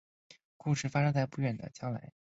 故事发生在不远的未来。